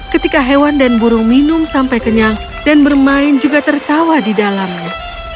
ketika hewan dan burung minum sampai kenyang dan bermain juga tertawa di dalamnya